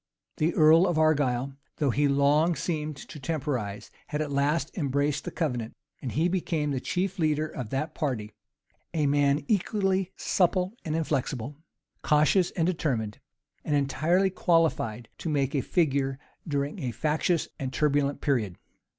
The earl of Argyle, though he long seemed to temporize, had at last embraced the covenant; and he became the chief leader of that party; a man equally supple and inflexible, cautious and determined, and entirely qualified to make a figure during a factious and turbulent period.